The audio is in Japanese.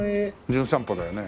『じゅん散歩』だよね。